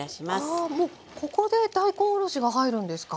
あもうここで大根おろしが入るんですか？